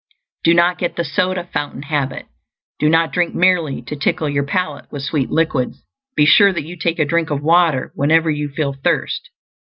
Do not get the soda fountain habit; do not drink merely to tickle your palate with sweet liquids; be sure that you take a drink of water whenever you feel thirst.